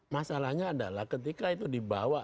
masalahnya adalah ketika itu dibawa